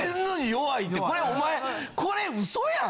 これお前これ嘘やん！